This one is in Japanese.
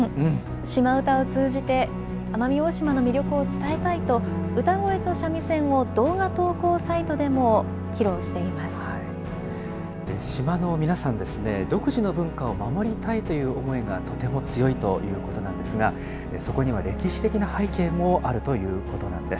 島唄を通じて、奄美大島の魅力を伝えたいと、歌声と三味線を動画島の皆さんですね、独自の文化を守りたいという思いがとても強いということなんですが、そこには歴史的な背景もあるということなんです。